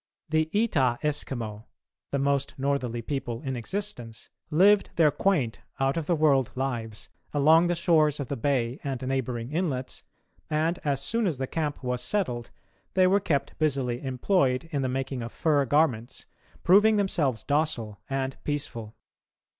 The Etah Eskimo, the most northerly people in existence, lived their quaint, out of the world lives along the shores of the bay and neighbouring inlets, and, as soon as the camp was settled, they were kept busily employed in the making of fur garments, proving themselves docile and peaceful.